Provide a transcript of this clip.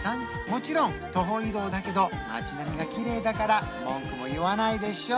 もちろん徒歩移動だけど街並みがきれいだから文句も言わないでしょ？